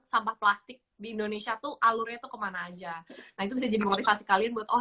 sampah plastik di indonesia tuh alurnya tuh kemana aja nah itu bisa jadi motivasi kalian buat oh